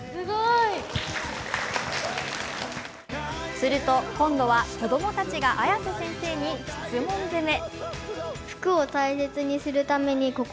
すると今度は子供たちが綾瀬先生に質問攻め。